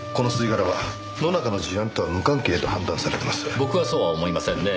僕はそうは思いませんねぇ。